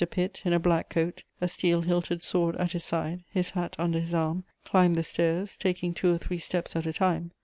Pitt, in a black coat, a steel hilted sword at his side, his hat under his arm, climbed the stairs, taking two or three steps at a time.